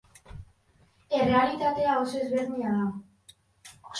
Errealitatea oso ezberdina da.